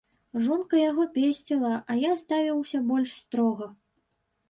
Жонка яго песціла, а я ставіўся больш строга.